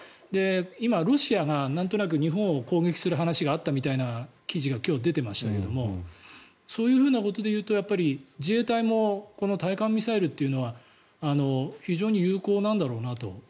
今、ロシアがなんとなく日本を攻撃するみたいな話があったってことが今日、出てましたがそういうふうなことで言うと自衛隊もこの対艦ミサイルは非常に有効なんだろうなと。